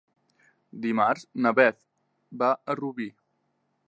Dimarts na Beth va a Rubí.